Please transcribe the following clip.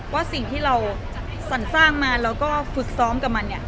ว่าสิ่งที่เราสรรสร้างมาแล้วก็ฝึกซ้อมกับมันเนี่ย